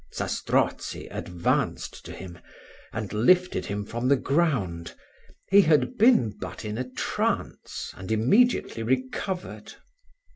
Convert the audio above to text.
Zastrozzi advanced to him, and lifted him from the ground: he had been but in a trance, and immediately recovered.